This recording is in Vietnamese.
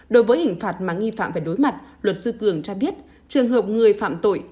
đối với hình phạt mà nghi phạm phải đối mặt luật sư cường cho biết trường hợp người phạm tội